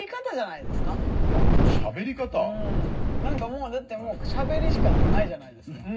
何かもうだってもうしゃべりしかもうないじゃないですか。